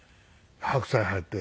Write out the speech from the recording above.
白菜入って。